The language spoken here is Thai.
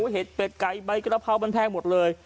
เห็ดเป็ดไก่ใบกระเพรามันแพงหมดเลย